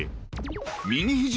右ひじ